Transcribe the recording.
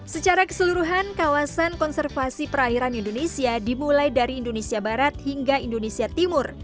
secara keseluruhan kawasan konservasi perairan indonesia dimulai dari indonesia barat hingga indonesia timur